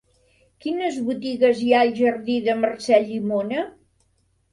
Quines botigues hi ha al jardí de Mercè Llimona?